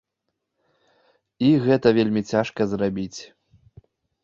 І гэта вельмі цяжка зрабіць.